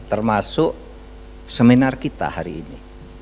termasuk seminar kita hari ini